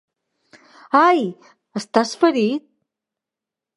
Ai! Estàs ferit?